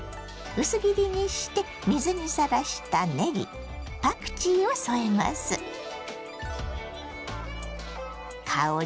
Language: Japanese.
薄切りにして水にさらしたねぎパクチーを添えます。